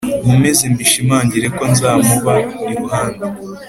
nkomeze mbishimangire ko nzamuba iruhande